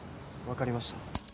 分かりました